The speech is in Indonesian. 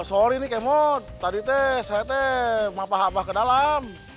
maaf tete mod tadi saya mau paham ke dalam